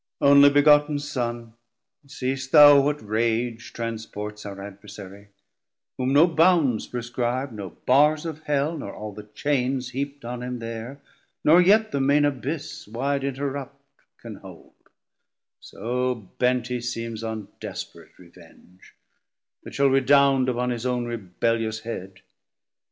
Onely begotten Son, seest thou what rage 80 Transports our adversarie, whom no bounds Prescrib'd, no barrs of Hell, nor all the chains Heapt on him there, nor yet the main Abyss Wide interrupt can hold; so bent he seems On desperat revenge, that shall redound Upon his own rebellious head.